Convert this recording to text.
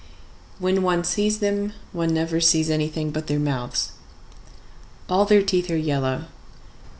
When one sees them, one never sees anything but their mouths. All their teeth are yellow.